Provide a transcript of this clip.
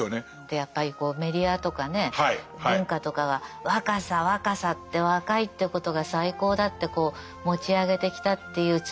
やっぱりメディアとかね文化とかが若さ若さって若いということが最高だってこう持ち上げてきたっていう罪も深いですよね。